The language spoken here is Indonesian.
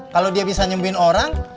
kalau dia bisa nyembuin orang